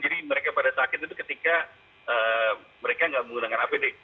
jadi mereka pada sakit itu ketika mereka nggak menggunakan apd